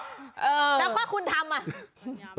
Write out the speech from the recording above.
โบ๊ทพี่คุณทำล่ะ